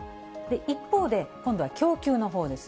一方で、今度は供給のほうです。